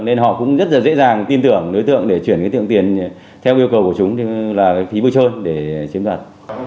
nên họ cũng rất là dễ dàng tin tưởng đối tượng để chuyển cái tượng tiền theo yêu cầu của chúng là phí vui chơi để chiếm đoạt